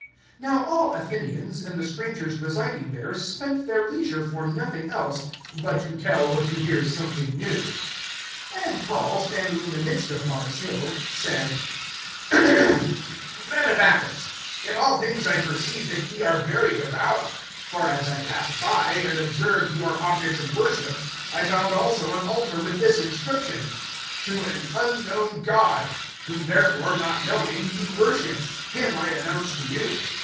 (21)Now all Athenians, and the strangers residing there, spent their leisure for nothing else, but to tell or to hear something new. (22)And Paul, standing in the midst of Mars' Hill, said: Men of Athens, in all things I perceive that ye are very devout. (23)For as I passed by, and observed your objects of worship, I found also an altar with this inscription: TO AN UNKNOWN GOD. Whom therefore, not knowing, ye worship, him I announce to you.